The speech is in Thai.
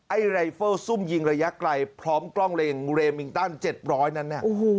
ไอ้ไรเฟลล์ซุ่มยิงระยะไกลพร้อมกล้องเรมต้าน๗๐๐นั้น